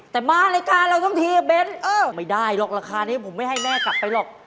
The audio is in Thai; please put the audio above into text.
แต่มารายการเราทั้งทีเบ้นไม่ได้หรอกราคานี้ผมไม่ให้แม่กลับไปหรอก